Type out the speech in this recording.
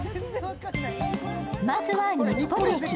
まずは日暮里駅。